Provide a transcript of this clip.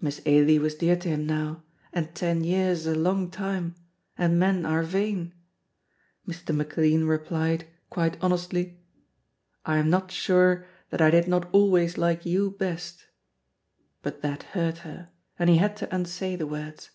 Miss Ailie was dear to him now, and ten years is a long time, and men are vain. Mr. McLean replied, quite honestly, "I am not sure that I did not always like you best," but that hurt her, and he had to unsay the words.